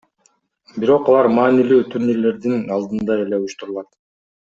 Бирок алар маанилүү турнирлердин алдында эле уюштурулат.